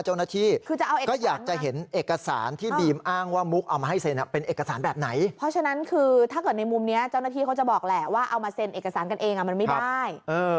เจ้าหน้าที่เขาจะบอกแหละว่าเอามาเซ็นเอกสารกันเองมันไม่ได้